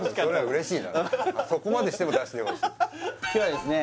そこまでしても出してほしい今日はですね